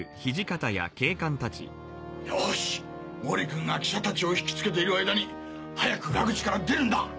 よし毛利君が記者達を引きつけている間に早く裏口から出るんだ！